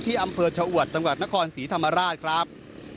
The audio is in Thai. อำเภอชะอวดจังหวัดนครศรีธรรมราชครับ